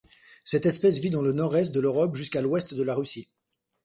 Cette espèce vit dans le nord-est de l'Europe jusqu'à l'ouest de la Russie.